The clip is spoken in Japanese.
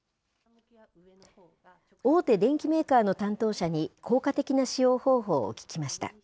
大手電機メーカーの担当者に、効果的な使用方法を聞きました。